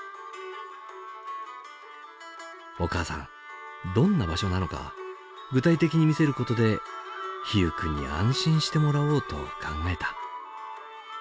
お母さんどんな場所なのか具体的に見せることで陽友君に安心してもらおうと考えた。